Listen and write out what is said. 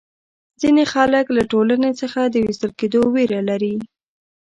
ځینې خلک له ټولنې څخه د وېستل کېدو وېره لري.